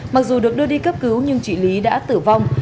mặc dù được đưa đi cấp cứu nhưng chị lý đã tử vong